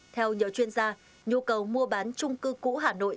theo nhiều chuyên gia nhu cầu mua bán trung cư cũ hà nội